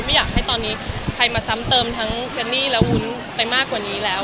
ไม่อยากให้ตอนนี้ใครมาซ้ำเติมทั้งเจนนี่และวุ้นไปมากกว่านี้แล้ว